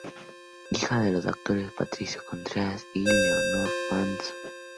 Hija de los actores Patricio Contreras y Leonor Manso.